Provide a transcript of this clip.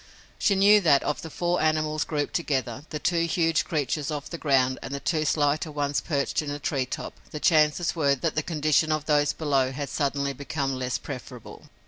She knew that, of the four animals grouped together, two huge creatures of the ground and two slighter ones perched in a tree top, the chances were that the condition of those below had suddenly become the less preferable.